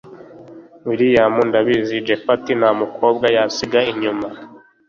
william ndabizi japhet ntamukobwa yasiga inyuma